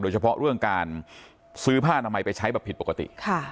เฉพาะเรื่องการซื้อผ้านามัยไปใช้แบบผิดปกติ